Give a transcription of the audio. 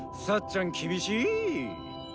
さっちゃん厳しい！